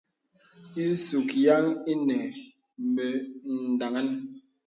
Ìsùk yàŋ ìnə mə daŋaŋ.